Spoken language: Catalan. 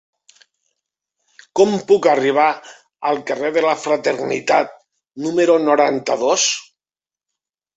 Com puc arribar al carrer de la Fraternitat número noranta-dos?